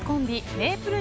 メイプル